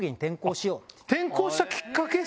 転向したきっかけ？